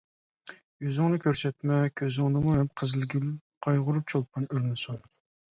يۈزۈڭنى كۆرسەتمە، كۆزۈڭنىمۇ ھەم قىزىلگۈل قايغۇرۇپ، چولپان ئۆلمىسۇن.